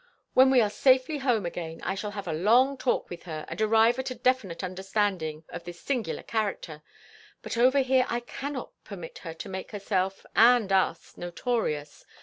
When we are safely home again I shall have a long talk with her and arrive at a definite understanding of this singular character, but over here I cannot permit her to make herself—and us—notorious.